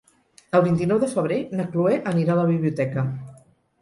El vint-i-nou de febrer na Cloè anirà a la biblioteca.